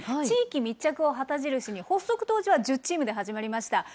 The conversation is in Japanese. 地域密着を旗印に発足当時は１０チームで始まりました。